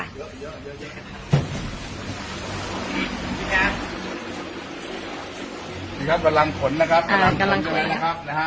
พี่ครับกำลังขนนะครับอ่ากำลังขนนะครับนะฮะ